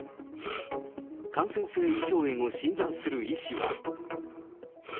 感染性胃腸炎を診断する医師は。